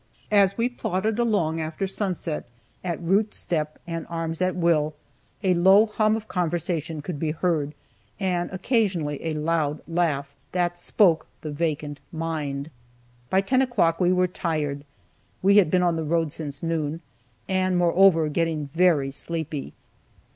As we plodded along after sunset, at route step, and arms at will, a low hum of conversation could be heard, and occasionally a loud laugh, "that spoke the vacant mind." By ten o'clock we were tired (we had been on the road since noon), and moreover, getting very sleepy.